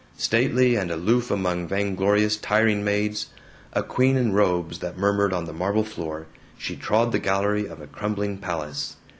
Stately and aloof among vainglorious tiring maids, a queen in robes that murmured on the marble floor, she trod the gallery of a crumbling palace.